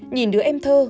nhìn đứa em thơ